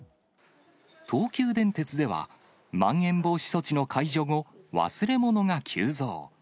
東急電鉄では、まん延防止措置の解除後、忘れ物が急増。